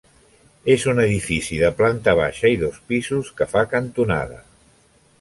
És un edifici de planta baixa i dos pisos, que fa cantonada.